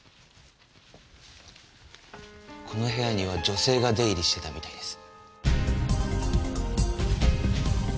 この部屋には女性が出入りしてたみたいです。